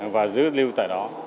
và giữ lưu tại đó